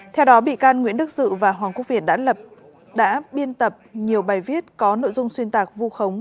theo đó bị can nguyễn đức dự và hoàng quốc việt đã biên tập nhiều bài viết có nội dung xuyên tạc vu khống